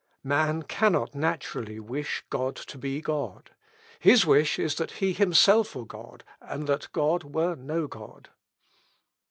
"Man cannot naturally wish God to be God. His wish is that he himself were God, and that God were no God.